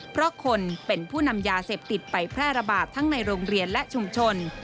เพราะคนเป็นผู้นำยาเสพติดไปแพร่ระบาดทั้งในโรงเรียนและชุมชน